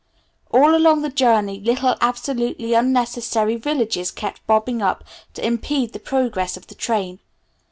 All along the journey little absolutely unnecessary villages kept bobbing up to impede the progress of the train.